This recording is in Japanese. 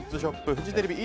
フジテレビｅ！